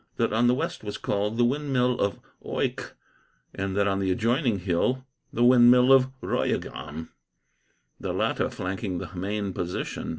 That on the west was called the windmill of Oycke, and that on the adjoining hill the windmill of Royegham, the latter flanking the main position.